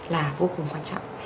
là vô cùng quan trọng